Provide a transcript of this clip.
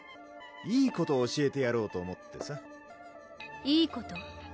いいこと教えてやろうと思ってさいいこと？